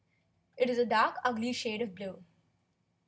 "It is a dark, ugly shade of blue."